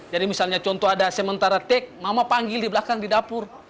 jadi misalnya contoh ada sementara tek mama panggil di belakang di dapur